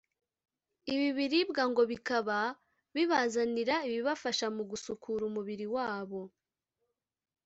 … ibi biribwa ngo bikaba bibazanira ibibafasha mu gusukura umubiri wabo